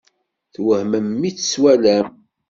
Twehmem mi tt-twalam?